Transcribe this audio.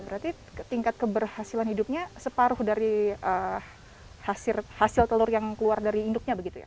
berarti tingkat keberhasilan hidupnya separuh dari hasil telur yang keluar dari induknya begitu ya